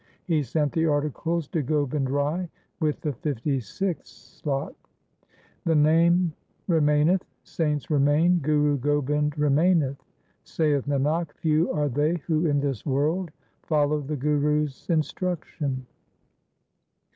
He sent the articles to Gobind Rai with the fifty sixth slok :— The Name remaineth, saints remain, Guru Gobind remain eth ; Saith Nanak, few are they who in this world follow the Guru's instruction.